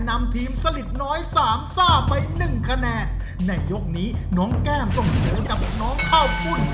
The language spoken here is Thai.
นำทีมสลิดน้อยสามซ่าไปหนึ่งคะแนนในยกนี้น้องแก้มต้องเจอกับน้องข้าวปุ่น